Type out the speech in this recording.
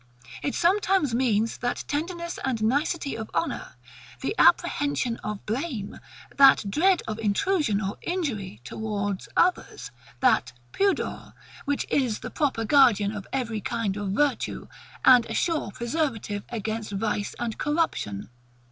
It sometimes means that tenderness and nicety of honour, that apprehension of blame, that dread of intrusion or injury towards others, that Pudor, which is the proper guardian of every kind of virtue, and a sure preservative against vice and corruption.